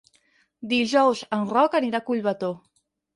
Dijous en Roc anirà a Collbató.